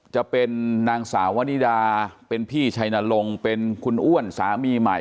จะเป็นนางสาววนิดาเป็นพี่ชัยนรงค์เป็นคุณอ้วนสามีใหม่